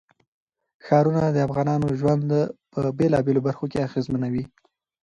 ښارونه د افغانانو ژوند په بېلابېلو برخو اغېزمنوي.